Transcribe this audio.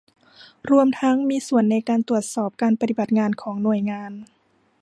รวมทั้งมีส่วนในการตรวจสอบการปฏิบัติงานของหน่วยงาน